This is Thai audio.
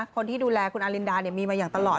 คนที่ดูแลคุณอลินดามีมาอย่างตลอด